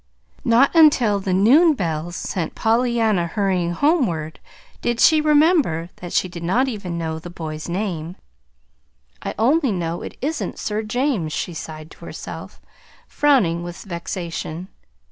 Not until the noon bells sent Pollyanna hurrying homeward did she remember that she did not even yet know the boy's name. "I only know it isn't 'Sir James,'" she sighed to herself, frowning with vexation.